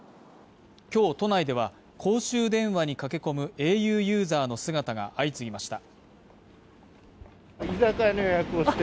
今日、都内では公衆電話に駆け込むａｕユーザーの姿が相次ぎました。